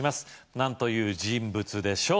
何という人物でしょう